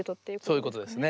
そういうことですね。